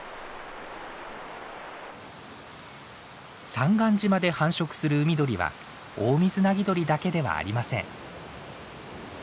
三貫島で繁殖する海鳥はオオミズナギドリだけではありません。